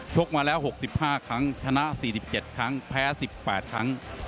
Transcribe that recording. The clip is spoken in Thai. กมาแล้ว๖๕ครั้งชนะ๔๗ครั้งแพ้๑๘ครั้ง